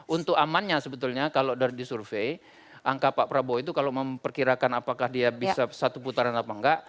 untuk amannya sebetulnya kalau dari survei angka pak prabowo itu kalau memperkirakan apakah dia bisa satu putaran apa enggak